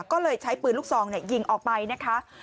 ก็เลยใช้ปืนลูกซองยิงออกไปนะคะ